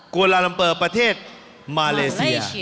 วาลาลัมเปอร์ประเทศมาเลเซีย